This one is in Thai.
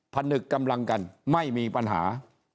ผนึกกำลังกันไม่มีปัญหา